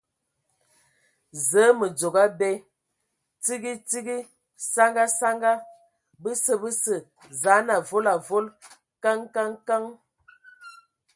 Zǝə, mǝ dzogo abe, tsigi tsigi, saŋa saŋa ! Bəsə, bəsə, zaan avol avol !... Kǝŋ Kǝŋ Kǝŋ Kǝŋ!